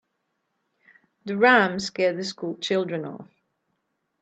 The ram scared the school children off.